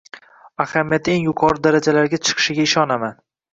va ahamiyati eng yuqori darajalarga chiqishiga ishonaman.